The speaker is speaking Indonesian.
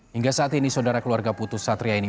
hingga saat ini saudara keluarga putus satria ini